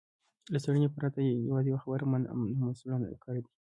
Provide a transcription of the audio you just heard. له څېړنې پرته يوه خبره منل نامسوولانه کار دی.